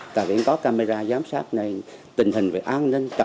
tại vì có camera giám sát này tình hình về an ninh